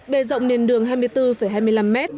bề rộng nền đường hai mươi bốn hai mươi năm m